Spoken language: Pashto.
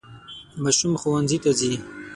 ماشوم ښوونځي ته ځي.